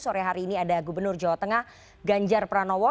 sore hari ini ada gubernur jawa tengah ganjar pranowo